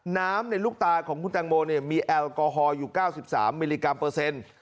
น้ำในลูกตาของคุณแตงโมมีแอลกอฮอลอยู่๙๓มิลลิกรัมเปอร์เซ็นต์